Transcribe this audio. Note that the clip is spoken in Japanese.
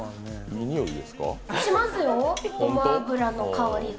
いい匂いしますよ、ごま油の香りが。